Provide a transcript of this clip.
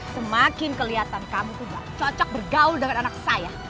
semakin kelihatan kamu tidak cocok bergaul dengan anak saya